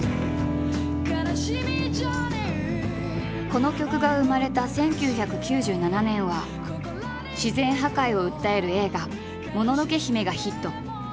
この曲が生まれた１９９７年は自然破壊を訴える映画「もののけ姫」がヒット。